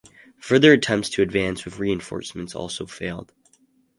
Further attempts to advance with reinforcements also failed.